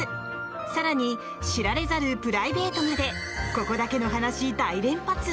更に知られざるプライベートまでここだけの話、大連発！